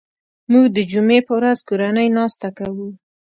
موږ د جمعې په ورځ کورنۍ ناسته کوو